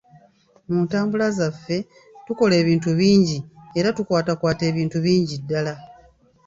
Mu ntambula zaffe, tukola ebintu bingi era tukwatakwata ebintu bingi ddala.